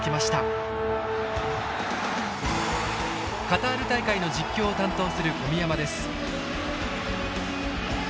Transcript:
カタール大会の実況を担当する小宮山です。